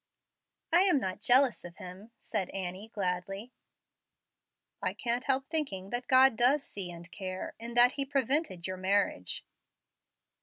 "I am not jealous of him," said Annie, gladly. "I can't help thinking that God does see and care, in that He prevented your marriage."